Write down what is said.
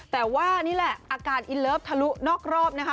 แต่ว่านี่แหละอาการอินเลิฟทะลุนอกรอบนะคะ